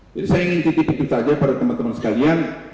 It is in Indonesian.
jadi saya ingin titip titip saja pada teman teman sekalian